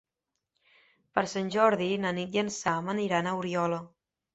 Per Sant Jordi na Nit i en Sam aniran a Oriola.